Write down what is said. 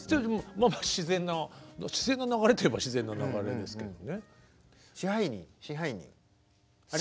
まあまあ自然な流れといえば自然な流れですけどね。